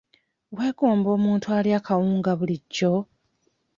Weegomba omuntu alya akawunga bulijjo?